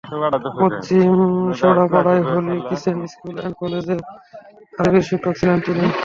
পশ্চিম শেওড়াপাড়ায় Holy Crescent school and কলেজের আরবির শিক্ষক ছিলেন তিনি।